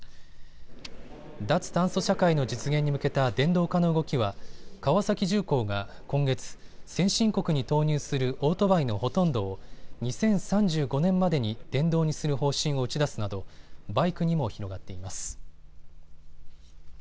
脱炭素社会の実現に向けた電動化の動きは川崎重工が今月、先進国に投入するオートバイのほとんどを２０３５年までに電動にする方針を打ち出すなどバイクにも広がっています。